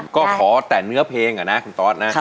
ก็ขอแต่เนื้อเพลงอะนะคุณตอสนะ